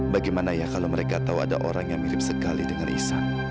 bagaimana ya kalau mereka tahu ada orang yang mirip sekali dengan risa